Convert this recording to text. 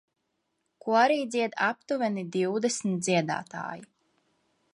Korī dzied aptuveni divdesmit dziedātāji